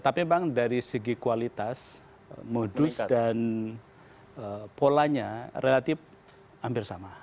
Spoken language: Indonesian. tapi memang dari segi kualitas modus dan polanya relatif hampir sama